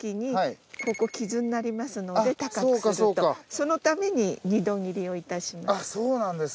そのために二度切りをいたします。